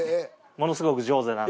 ものすごく上手だなと。